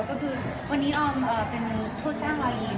ก็คือวันนี้ออมเป็นโคตรสร้างรอยยิ้ม